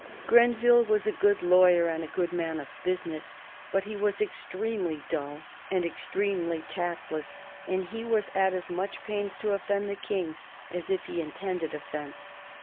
Grenville was a good lawyer and a good man of business, but he was extremely dull and extremely tactless, and he was at as much pains to offend the King as if he intended offence.